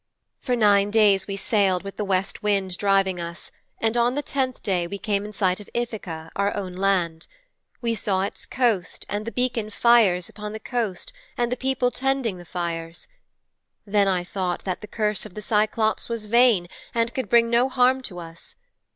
'For nine days we sailed with the West Wind driving us, and on the tenth day we came in sight of Ithaka, our own land. We saw its coast and the beacon fires upon the coast and the people tending the fires. Then I thought that the curse of the Cyclops was vain and could bring no harm to us.